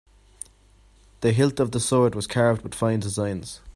The hilt of the sword was carved with fine designs.